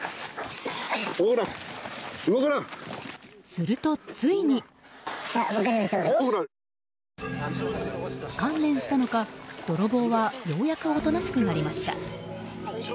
するとついに。観念したのか泥棒はようやくおとなしくなりました。